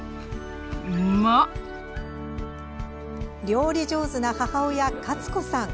料理上手な母親カツ子さん。